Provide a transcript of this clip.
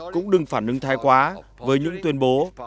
cũng đừng phản ứng thai quá với những tuyên bố